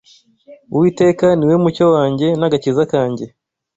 Uwiteka ni we mucyo wanjye n’agakiza kanjye